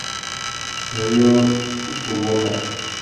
Ryo Kubota